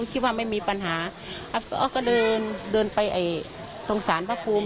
คิดว่าไม่มีปัญหาออฟก็เดินเดินไปตรงสารพระภูมิ